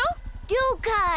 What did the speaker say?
りょうかい。